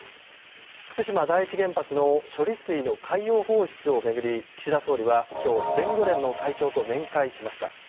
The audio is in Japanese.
福島第一原発の処理水の海洋放出を巡り岸田総理は今日、全漁連の会長と面会しました。